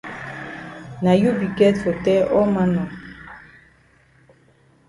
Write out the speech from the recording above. Na you be get for tell all man nor.